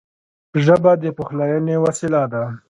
ژبه د پخلاینې وسیله ده